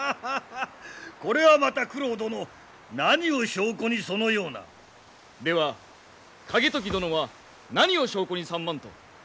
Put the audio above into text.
これはまた九郎殿何を証拠にそのような。では景時殿は何を証拠に３万と？